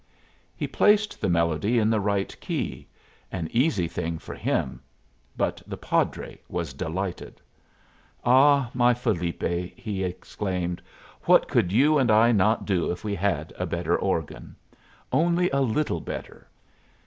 He placed the melody in the right key an easy thing for him; but the padre was delighted. "Ah, my Felipe," he exclaimed, "what could you and I not do if we had a better organ! Only a little better!